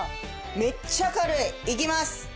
めっちゃ軽い。いきます！